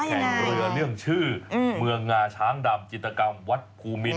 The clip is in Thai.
แห่งเรือเรื่องชื่อเมืองงาช้างดำจิตกรรมวัดภูมิน